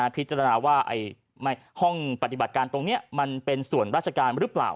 พิจารณาว่าห้องปฏิบัติการตรงนี้มันเป็นส่วนราชการหรือเปล่า